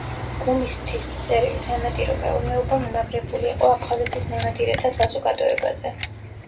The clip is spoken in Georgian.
გუმისთის მიწერილი სანადირო მეურნეობა მიმაგრებული იყო აფხაზეთის მონადირეთა საზოგადოებაზე.